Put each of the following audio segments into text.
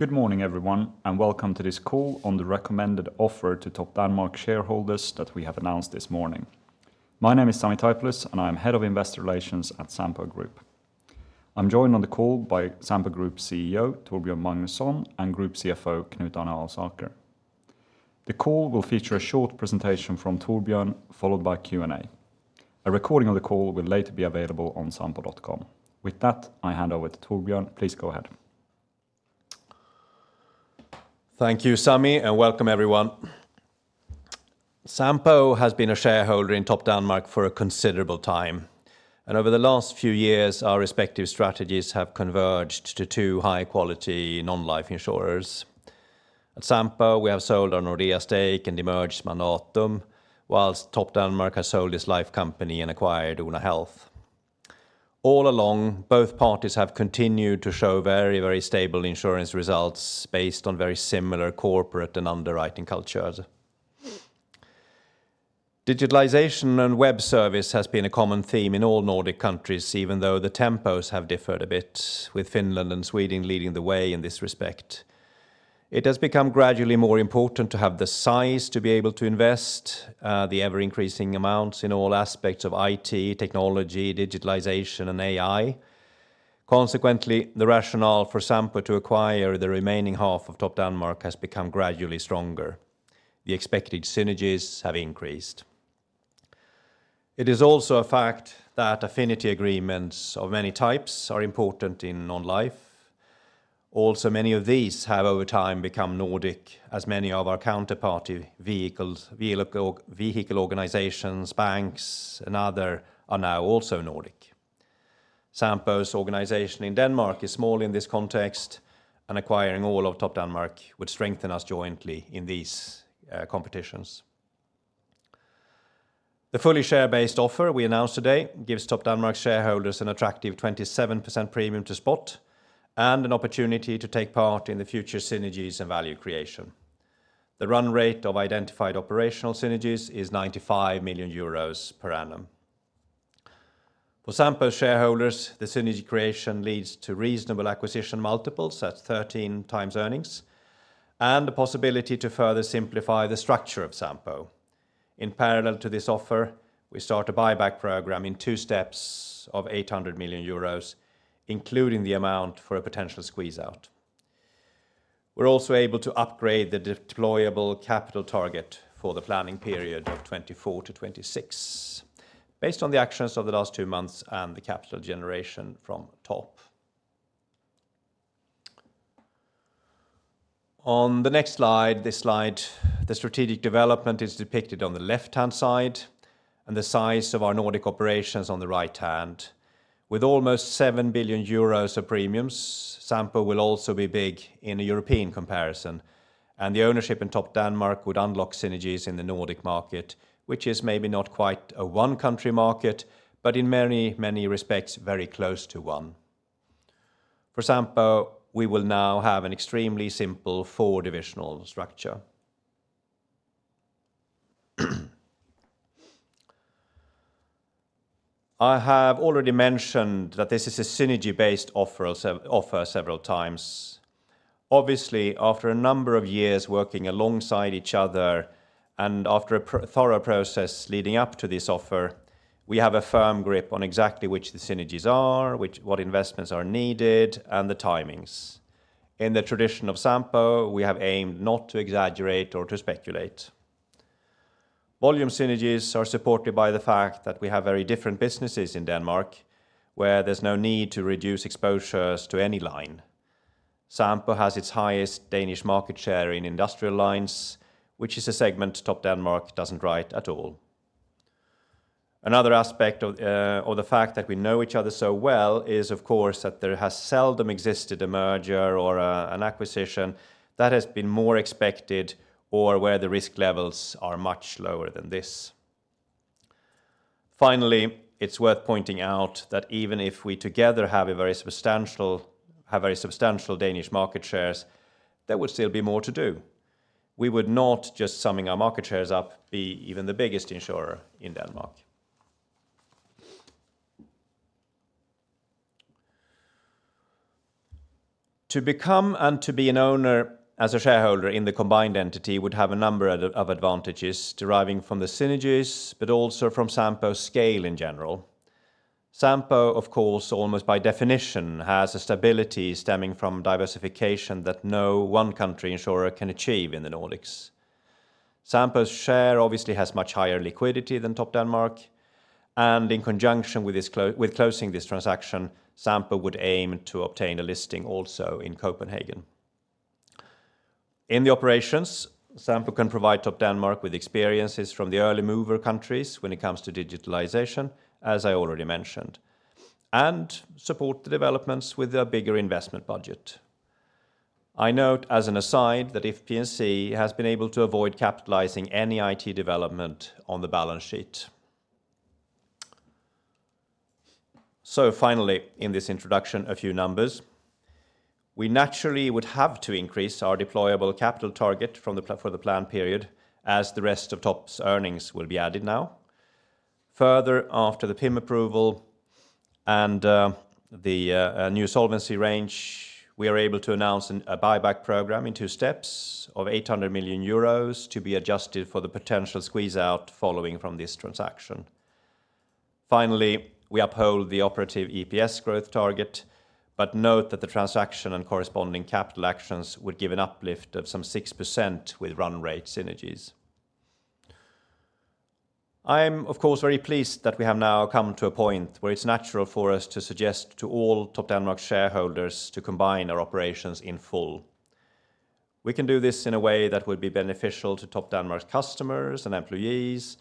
Good morning, everyone, and welcome to this call on the recommended offer to Topdanmark shareholders that we have announced this morning. My name is Sami Taipalus, and I am Head of Investor Relations at Sampo Group. I'm joined on the call by Sampo Group CEO, Torbjörn Magnusson, and Group CFO, Knut Arne Alsaker. The call will feature a short presentation from Torbjörn, followed by Q&A. A recording of the call will later be available on sampo.com. With that, I hand over to Torbjörn. Please go ahead. Thank you, Sami, and welcome, everyone. Sampo has been a shareholder in Topdanmark for a considerable time, and over the last few years, our respective strategies have converged to two high-quality non-life insurers. At Sampo, we have sold our Nordea stake and demerged Mandatum, while Topdanmark has sold its life company and acquired Oona Health. All along, both parties have continued to show very, very stable insurance results based on very similar corporate and underwriting cultures. Digitalization and web service has been a common theme in all Nordic countries, even though the tempos have differed a bit, with Finland and Sweden leading the way in this respect. It has become gradually more important to have the size to be able to invest, the ever-increasing amounts in all aspects of IT, technology, digitalization, and AI. Consequently, the rationale for Sampo to acquire the remaining half of Topdanmark has become gradually stronger. The expected synergies have increased. It is also a fact that affinity agreements of many types are important in non-life. Also, many of these have, over time, become Nordic, as many of our counterparty vehicle organizations, banks, and others are now also Nordic. Sampo's organization in Denmark is small in this context, and acquiring all of Topdanmark would strengthen us jointly in these competitions. The fully share-based offer we announced today gives Topdanmark's shareholders an attractive 27% premium to spot and an opportunity to take part in the future synergies and value creation. The run rate of identified operational synergies is 95 million euros per annum. For Sampo's shareholders, the synergy creation leads to reasonable acquisition multiples at 13x earnings and the possibility to further simplify the structure of Sampo. In parallel to this offer, we start a buyback program in two steps of 800 million euros, including the amount for a potential squeeze-out. We're also able to upgrade the deployable capital target for the planning period of 2024 to 2026, based on the actions of the last two months and the capital generation from Topdanmark. On the next slide, the strategic development is depicted on the left-hand side and the size of our Nordic operations on the right-hand. With almost 7 billion euros of premiums, Sampo will also be big in a European comparison, and the ownership in Topdanmark would unlock synergies in the Nordic market, which is maybe not quite a one-country market, but in many, many respects, very close to one. For Sampo, we will now have an extremely simple four-divisional structure. I have already mentioned that this is a synergy-based offer several times. Obviously, after a number of years working alongside each other and after a thorough process leading up to this offer, we have a firm grip on exactly which the synergies are, what investments are needed, and the timings. In the tradition of Sampo, we have aimed not to exaggerate or to speculate. Volume synergies are supported by the fact that we have very different businesses in Denmark, where there's no need to reduce exposures to any line. Sampo has its highest Danish market share in industrial lines, which is a segment Topdanmark doesn't write at all. Another aspect of the fact that we know each other so well is, of course, that there has seldom existed a merger or an acquisition that has been more expected or where the risk levels are much lower than this. Finally, it's worth pointing out that even if we together have a very substantial Danish market shares, there would still be more to do. We would not, just summing our market shares up, be even the biggest insurer in Denmark. To become and to be an owner as a shareholder in the combined entity would have a number of advantages deriving from the synergies, but also from Sampo's scale in general. Sampo, of course, almost by definition, has a stability stemming from diversification that no one country insurer can achieve in the Nordics. Sampo's share obviously has much higher liquidity than Topdanmark, and in conjunction with closing this transaction, Sampo would aim to obtain a listing also in Copenhagen. In the operations, Sampo can provide Topdanmark with experiences from the early mover countries when it comes to digitalization, as I already mentioned, and support the developments with a bigger investment budget. I note as an aside that If P&C has been able to avoid capitalizing any IT development on the balance sheet. So finally, in this introduction, a few numbers. We naturally would have to increase our deployable capital target for the planned period as the rest of Topdanmark's earnings will be added now. Further, after the PIM approval and the new solvency range, we are able to announce a buyback program in two steps of 800 million euros to be adjusted for the potential squeeze-out following from this transaction. Finally, we uphold the operative EPS growth target, but note that the transaction and corresponding capital actions would give an uplift of some 6% with run rate synergies. I am, of course, very pleased that we have now come to a point where it's natural for us to suggest to all Topdanmark's shareholders to combine our operations in full. We can do this in a way that would be beneficial to Topdanmark's customers and employees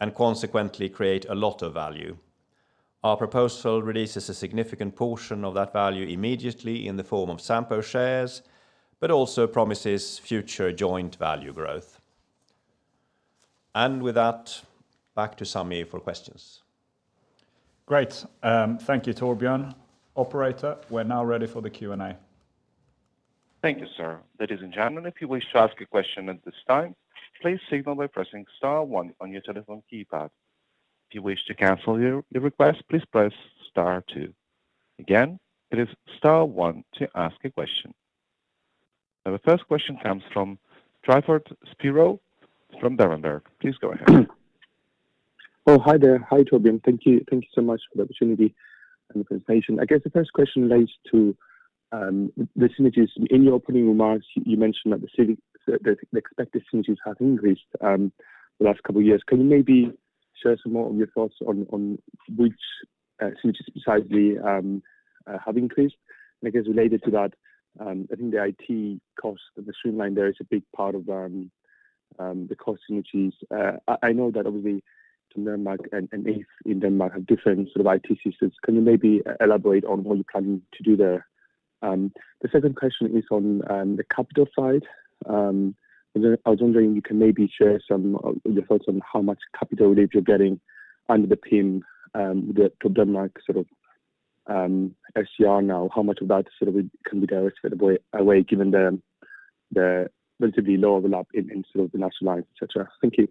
and consequently create a lot of value. Our proposal releases a significant portion of that value immediately in the form of Sampo shares, but also promises future joint value growth. With that, back to Sami for questions. Great. Thank you, Torbjörn. Operator, we're now ready for the Q&A. Thank you, sir. Ladies and gentlemen, if you wish to ask a question at this time, please signal by pressing star one on your telephone keypad. If you wish to cancel your request, please press star two. Again, it is star one to ask a question. Now, the first question comes from Tryfonas Spyrou from Berenberg. Please go ahead. Oh, hi there. Hi, Torbjörn. Thank you so much for the opportunity and the presentation. I guess the first question relates to the synergies. In your opening remarks, you mentioned that the expected synergies have increased the last couple of years. Can you maybe share some more of your thoughts on which synergies precisely have increased? And I guess related to that, I think the IT cost and the streamline there is a big part of the cost synergies. I know that obviously. Topdanmark and If in Denmark have different sort of IT systems. Can you maybe elaborate on what you're planning to do there? The second question is on the capital side. I was wondering if you can maybe share some of your thoughts on how much capital relief you're getting under the PIM with the Topdanmark sort of SCR now. How much of that sort of can be directly away given the relatively low overlap in sort of the national lines, etc? Thank you.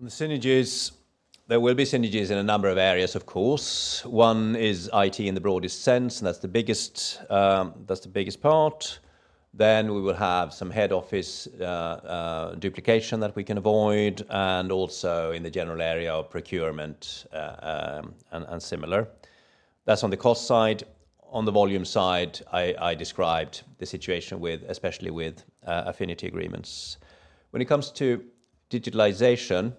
On the synergies, there will be synergies in a number of areas, of course. One is IT in the broadest sense, and that's the biggest part. Then we will have some head office duplication that we can avoid, and also in the general area of procurement and similar. That's on the cost side. On the volume side, I described the situation especially with affinity agreements. When it comes to digitalization,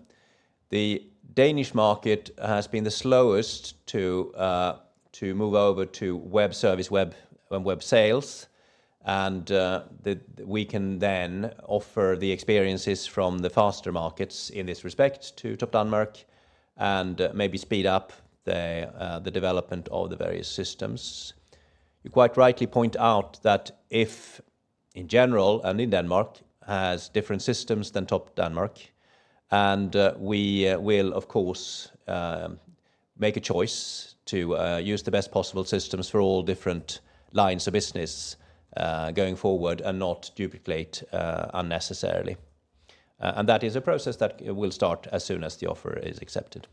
the Danish market has been the slowest to move over to web service and web sales, and we can then offer the experiences from the faster markets in this respect to Topdanmark and maybe speed up the development of the various systems. You quite rightly point out that If, in general and in Denmark, has different systems than Topdanmark, and we will, of course, make a choice to use the best possible systems for all different lines of business going forward and not duplicate unnecessarily. That is a process that will start as soon as the offer is accepted.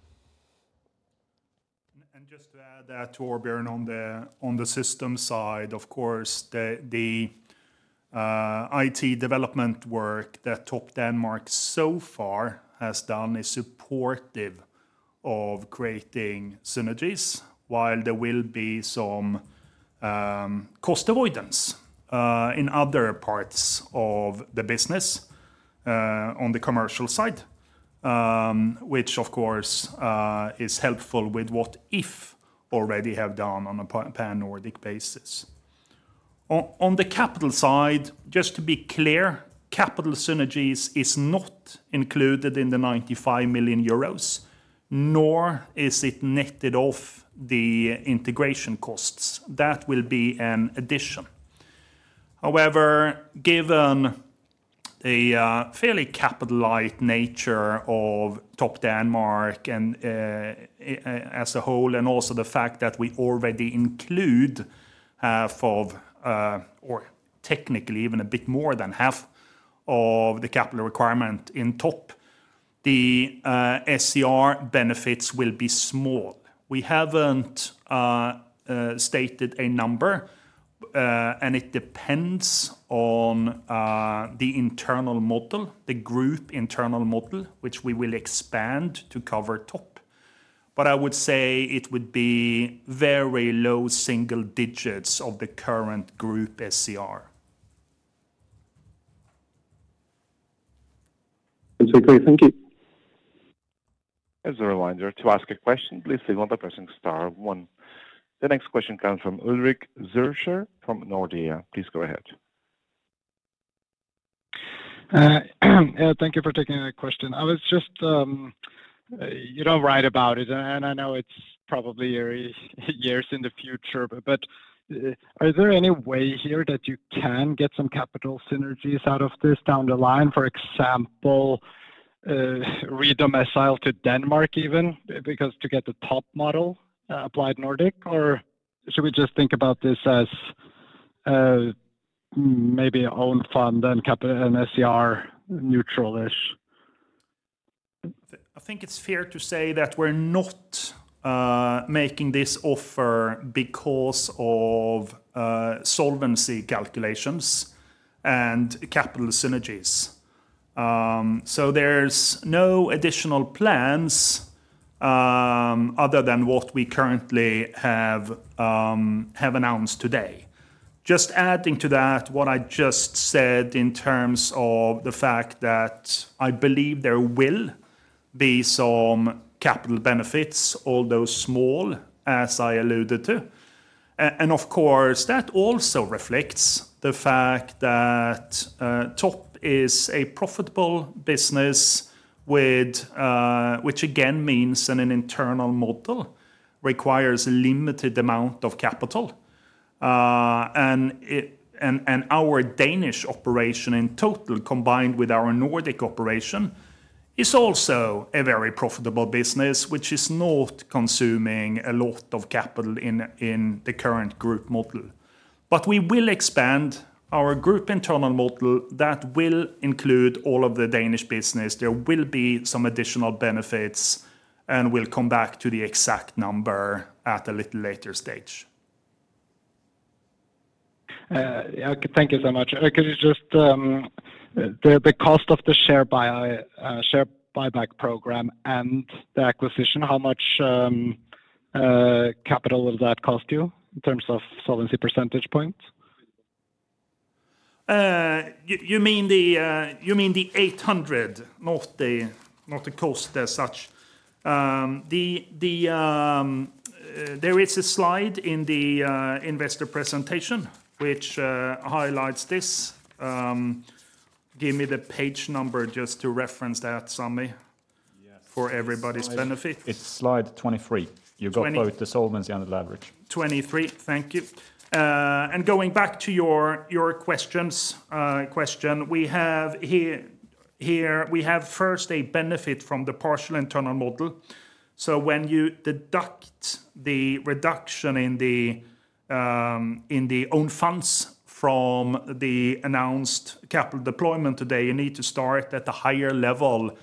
And just to add that, Torbjörn, on the system side, of course, the IT development work that Topdanmark so far has done is supportive of creating synergies, while there will be some cost avoidance in other parts of the business on the commercial side, which, of course, is helpful with what If already have done on a pan-Nordic basis. On the capital side, just to be clear, capital synergies is not included in the 95 million euros, nor is it netted off the integration costs. That will be an addition. However, given the fairly capital-like nature of Topdanmark as a whole, and also the fact that we already include half of, or technically even a bit more than half of the capital requirement in Topdanmark, the SCR benefits will be small. We haven't stated a number, and it depends on the internal model, the group internal model, which we will expand to cover Top. But I would say it would be very low single digits of the current group SCR. That's okay. Thank you. As a reminder, to ask a question, please signal by pressing star one. The next question comes from Ulrik Zürcher from Nordea. Please go ahead. Thank you for taking the question. I was just, you don't write about it, and I know it's probably years in the future, but are there any way here that you can get some capital synergies out of this down the line, for example, redeploy the capital to Denmark even, because to get the PIM applied Nordic, or should we just think about this as maybe own funds and SCR neutral-ish? I think it's fair to say that we're not making this offer because of solvency calculations and capital synergies. So there's no additional plans other than what we currently have announced today. Just adding to that what I just said in terms of the fact that I believe there will be some capital benefits, although small, as I alluded to. And of course, that also reflects the fact that Topdanmark is a profitable business, which again means an internal model requires a limited amount of capital. And our Danish operation in total combined with our Nordic operation is also a very profitable business, which is not consuming a lot of capital in the current group model. But we will expand our group internal model that will include all of the Danish business. There will be some additional benefits, and we'll come back to the exact number at a little later stage. Thank you so much. Could you just, the cost of the share buyback program and the acquisition, how much capital will that cost you in terms of solvency percentage points? You mean the EUR 800 million, not the cost as such. There is a slide in the investor presentation which highlights this. Give me the page number just to reference that, Sami, for everybody's benefit. It's slide 23. You've got both the solvency and the leverage. Thank you. Going back to your question, we have here first a benefit from the partial internal model. So when you deduct the reduction in the own funds from the announced capital deployment today, you need to start at a higher level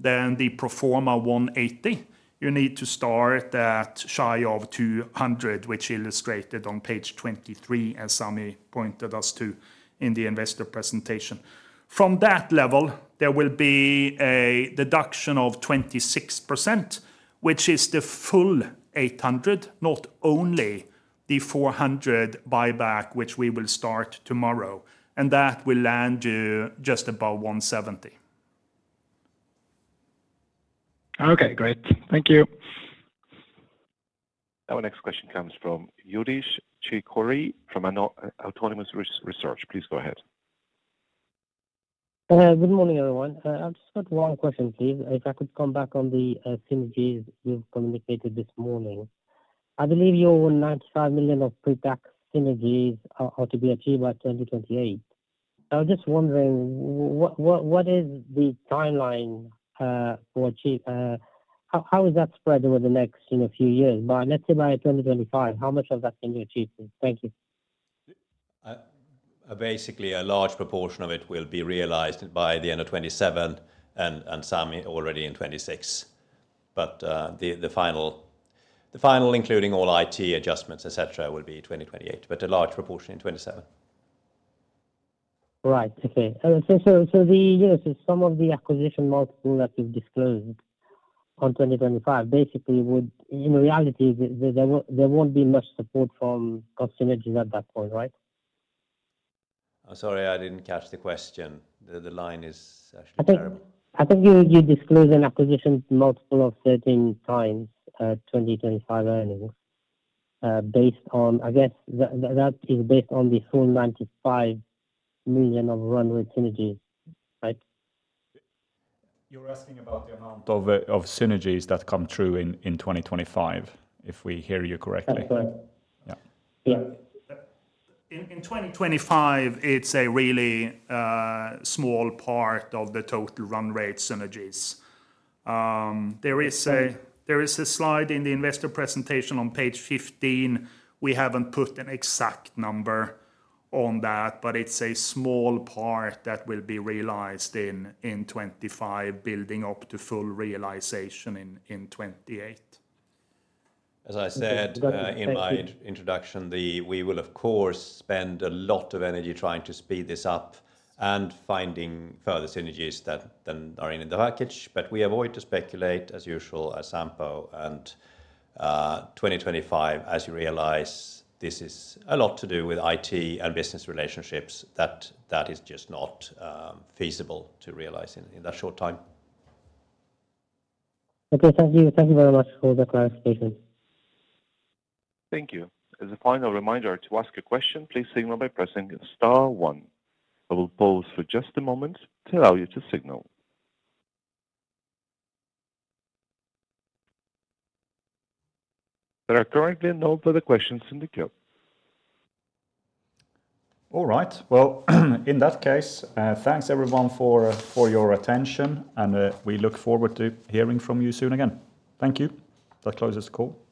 than the pro forma 180%. You need to start at shy of 200%, which illustrated on page 23, as Sami pointed us to in the investor presentation. From that level, there will be a deduction of 26%, which is the full 800 million, not only the 400 million buyback, which we will start tomorrow. That will land you just above 170%. Okay, great. Thank you. Our next question comes from Youdish Chicooree from Autonomous Research. Please go ahead. Good morning, everyone. I just got one question, please. If I could come back on the synergies you've communicated this morning, I believe your 95 million of pre-tax synergies are to be achieved by 2028. I was just wondering, what is the timeline for achieving? How is that spread over the next few years? Let's say by 2025, how much of that can you achieve? Thank you. Basically, a large proportion of it will be realized by the end of 2027, and Sami already in 2026. But the final, including all IT adjustments, etc., will be 2028, but a large proportion in 2027. Right. Okay. So some of the acquisition multiple that you've disclosed on 2025, basically, in reality, there won't be much support from cost synergies at that point, right? I'm sorry, I didn't catch the question. The line is actually terrible. I think you disclosed an acquisition multiple of 13x 2025 earnings based on, I guess that is based on the full 95 million of run rate synergies, right? You're asking about the amount of synergies that come true in 2025, if we hear you correctly. That's correct. Yeah. Yes. In 2025, it's a really small part of the total run rate synergies. There is a slide in the investor presentation on page 15. We haven't put an exact number on that, but it's a small part that will be realized in 2025, building up to full realization in 2028. As I said in my introduction, we will, of course, spend a lot of energy trying to speed this up and finding further synergies than are in the package. But we avoid to speculate, as usual, as Sampo and 2025, as you realize, this is a lot to do with IT and business relationships that is just not feasible to realize in that short time. Okay, thank you very much for the clarification. Thank you. As a final reminder to ask a question, please signal by pressing star one. I will pause for just a moment to allow you to signal. There are currently no further questions in the queue. All right. Well, in that case, thanks everyone for your attention, and we look forward to hearing from you soon again. Thank you. That closes the call.